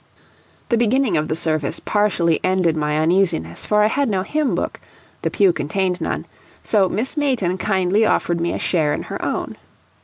The beginning of the service partially ended my uneasiness, for I had no hymn book, the pew contained none, so Miss Mayton kindly offered me a share in her own.